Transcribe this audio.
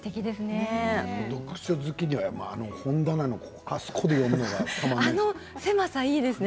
読書好きには本棚のあそこで読むのはどうですか。